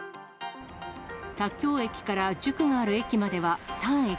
田京駅から塾がある駅までは３駅。